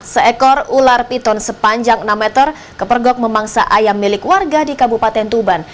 seekor ular piton sepanjang enam meter kepergok memangsa ayam milik warga di kabupaten tuban